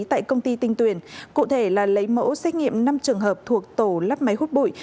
tại công ty tinh tuyển cụ thể là lấy mẫu xét nghiệm năm trường hợp thuộc tổ lắp máy hút bụi